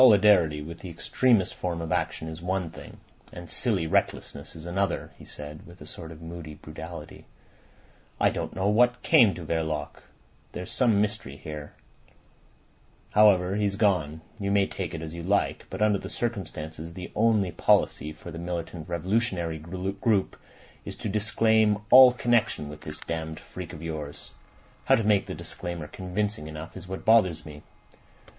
"Solidarity with the extremest form of action is one thing, and silly recklessness is another," he said, with a sort of moody brutality. "I don't know what came to Verloc. There's some mystery there. However, he's gone. You may take it as you like, but under the circumstances the only policy for the militant revolutionary group is to disclaim all connection with this damned freak of yours. How to make the disclaimer convincing enough is what bothers me."